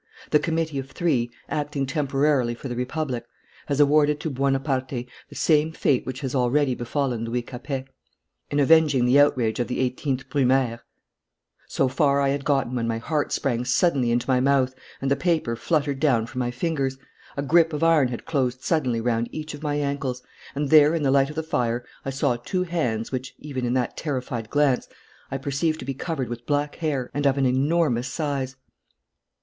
The committee of three, acting temporarily for the Republic, has awarded to Buonaparte the same fate which has already befallen Louis Capet. In avenging the outrage of the 18th Brumaire ' So far I had got when my heart sprang suddenly into my mouth and the paper fluttered down from my fingers. A grip of iron had closed suddenly round each of my ankles, and there in the light of the fire I saw two hands which, even in that terrified glance, I perceived to be covered with black hair and of an enormous size.